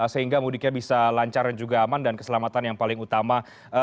sehingga mudiknya bisa lancar dan juga aman dan keselamatan yang paling utama